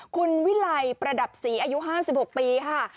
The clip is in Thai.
คุณวิไลประดับศรีอายุ๕๖ปีค่ะ